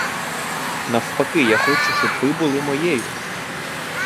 Навпаки, я хочу, щоб ви були моєю.